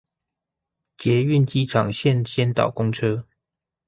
捷運機場線先導公車